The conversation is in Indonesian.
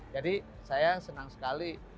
jadi saya senang sekali